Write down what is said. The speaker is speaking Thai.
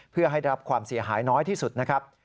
เพื่อให้รับความเสียหายน้อยที่สุดนะครับ